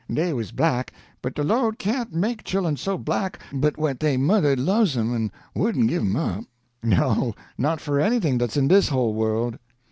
Dey was black, but de Lord can't make chil'en so black but what dey mother loves 'em an' wouldn't give 'em up, no, not for anything dat's in dis whole world.